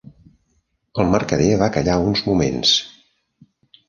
El mercader va callar uns moments.